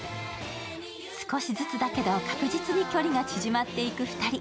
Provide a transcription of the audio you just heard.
少しずつだけど確実に距離が縮まっていく２人。